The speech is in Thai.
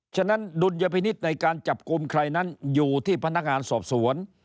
ฉะนั้นดุลยพินิษฐ์ในการจับกลุ่มใครนั้นอยู่ที่พนักงานสอบสวน